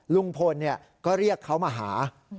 ลุงพลก็เรียกเขามาหา